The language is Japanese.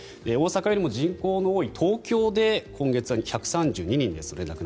大阪よりも人口の多い東京で今月は１３２人です。